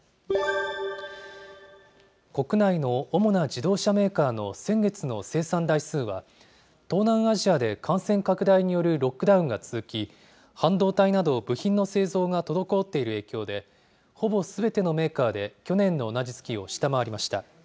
国内の主な自動車メーカーの先月の生産台数は、東南アジアで感染拡大によるロックダウンが続き、半導体など部品の製造が滞っている影響で、ほぼすべてのメーカーで去年の同じ月を下回りました。